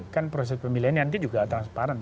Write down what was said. kan proses pemilihan ini nanti juga transparan